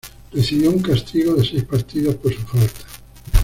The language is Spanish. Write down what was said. Recibió un castigo de seis partidos por su falta.